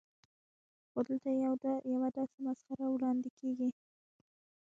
خو دلته یوه داسې مسخره وړاندې کېږي.